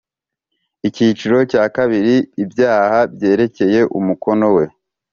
icyiciro cya kabiri ibyaha byerekeye umukono we